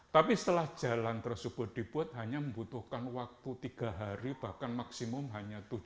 tapi setelah jalan tersebut dibuat hanya membutuhkan waktu tiga hari bahkan maksimum hanya tujuh